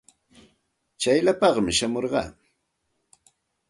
Tsayllapaami shamurqaa.